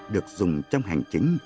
được dùng trong hành chính